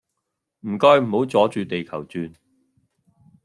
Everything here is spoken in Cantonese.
唔該唔好阻住地球轉